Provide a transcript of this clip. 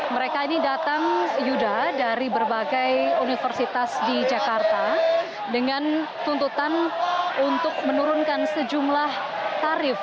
mereka ini datang yuda dari berbagai universitas di jakarta dengan tuntutan untuk menurunkan sejumlah tarif